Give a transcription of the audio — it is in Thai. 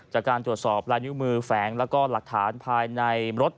จากการตรวจสอบลายนิ้วมือแฝงแล้วก็หลักฐานภายในรถ